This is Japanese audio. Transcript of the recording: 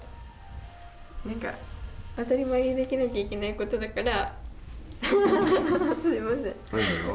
なんか当たり前にできなきゃいけないことだからハハハハすいません。